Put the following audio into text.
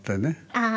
ああ